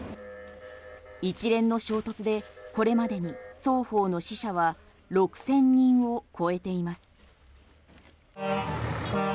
一連の衝突でこれまでに双方の死者は６０００人を超えています。